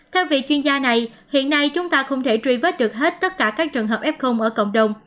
theo vị chuyên gia này hiện nay chúng ta không thể truy vết được hết tất cả các trường hợp f ở cộng đồng